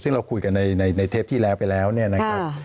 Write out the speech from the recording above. ซึ่งเราคุยกันในเทปที่แล้วไปแล้วเนี่ยนะครับ